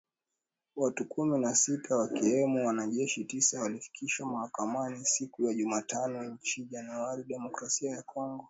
Watu kumi na sita wakiwemo wanajeshi tisa walifikishwa mahakamani siku ya Jumatatu nchini Jamhuri ya Kidemokrasia ya Kongo.